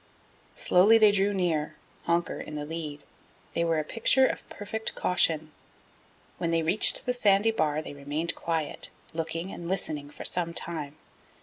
Slowly they drew near, Honker in the lead. They were a picture of perfect caution. When they reached the sandy bar they remained quiet, looking and listening for some time.